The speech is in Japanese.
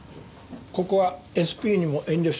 ここはＳＰにも遠慮してもらってる。